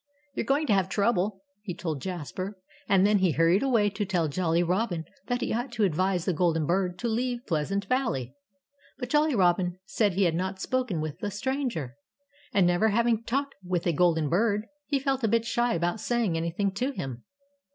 "You're going to have trouble!" he told Jasper. And then he hurried away to tell Jolly Robin that he ought to advise the golden bird to leave Pleasant Valley. But Jolly Robin said he had not spoken with the stranger. And never having talked with a golden bird, he felt a bit shy about saying anything to him.